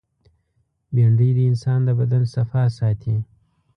بېنډۍ د انسان د بدن صفا ساتي